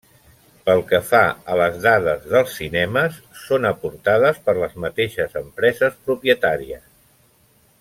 Pel que fa a les dades dels cinemes, són aportades per les mateixes empreses propietàries.